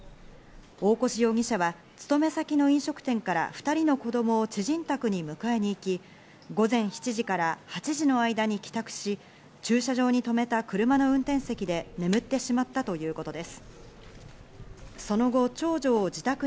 大越容疑者は勤め先の飲食店から２人の子供を知人宅に迎えに行き、午前７時から８時の間に帰宅し駐車場に停めた車の運転席で眠ってしまったということです。